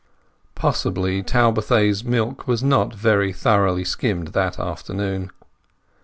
Possibly the Talbothays milk was not very thoroughly skimmed that afternoon.